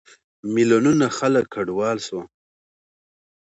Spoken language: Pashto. میلیونونه خلک کډوال شول.